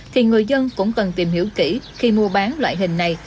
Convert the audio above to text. thì người dân cũng cần tìm hiểu kỹ khi mua bán loại hình này